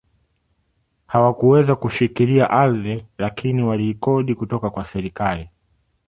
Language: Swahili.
Hawakuweza kushikilia ardhi lakini waliikodi kutoka kwa serikali